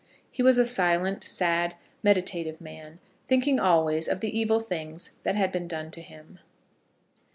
He was a silent, sad, meditative man, thinking always of the evil things that had been done to him.